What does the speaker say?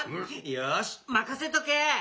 よしまかせとけ！